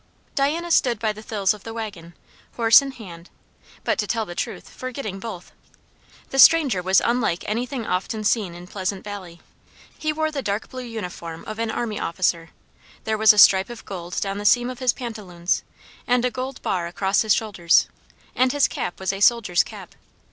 Diana stood by the thills of the waggon, horse in hand, but, to tell the truth, forgetting both. The stranger was unlike anything often seen in Pleasant Valley. He wore the dark blue uniform of an army officer; there was a stripe of gold down the seam of his pantaloons and a gold bar across his shoulders, and his cap was a soldier's cap.